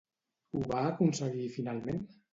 Ho va aconseguir finalment?